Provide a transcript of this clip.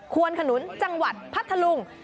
ควนขนุนจังหวัดพัทธลุง